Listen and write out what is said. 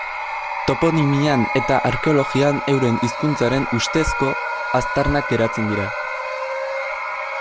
Toponimian eta arkeologian euren hizkuntzaren ustezko aztarnak geratzen dira.